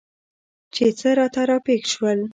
چې څه راته راپېښ شول؟